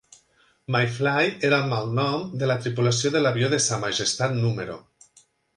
"Mayfly" era el malnom de la tripulació de l'avió de Sa Majestat número